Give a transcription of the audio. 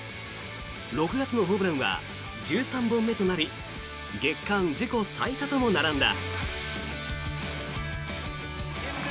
６月のホームランは１３本目となり月間自己最多とも並んだ。